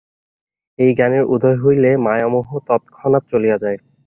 এই জ্ঞানের উদয় হইলে মায়ামোহ তৎক্ষণাৎ চলিয়া যায়।